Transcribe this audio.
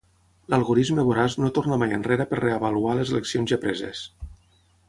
L'algorisme voraç no torna mai enrere per reavaluar les eleccions ja preses.